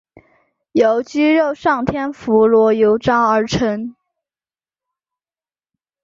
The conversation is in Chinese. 由鸡肉上天妇罗油炸而成。